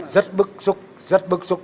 rất bức xúc rất bức xúc